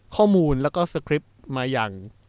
ข้อมูลแล้วก็สคริปต์มาอย่าง